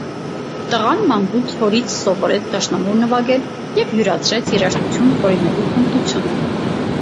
Տղան մանկուց հորից սովորեց դաշնամուր նվագել և յուրացրեց երաժշտություն հորինելու հմտությունը։